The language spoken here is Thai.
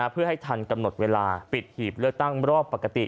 เพื่อให้ทันกำหนดเวลาปิดหีบเลือกตั้งรอบปกติ